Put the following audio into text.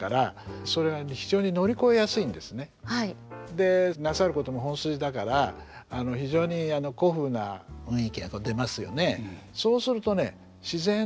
でなさることも本筋だから非常に古風な雰囲気が出ますよね。